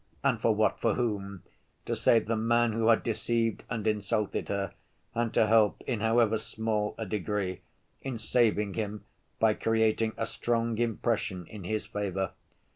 And for what, for whom? To save the man who had deceived and insulted her and to help, in however small a degree, in saving him, by creating a strong impression in his favor.